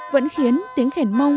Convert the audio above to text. vẫn khiến tiếng khèn mông